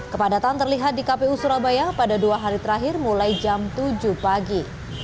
kepadatan terlihat di kpu surabaya pada dua hari terakhir mulai jam tujuh pagi